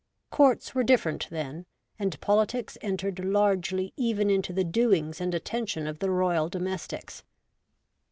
Courts were different then, and politics entered largely even into the doings and attention of the royal domestics.